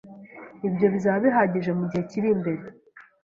Ibyo bizaba bihagije mugihe kiri imbere.